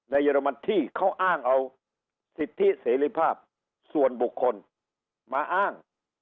เยอรมันที่เขาอ้างเอาสิทธิเสรีภาพส่วนบุคคลมาอ้าง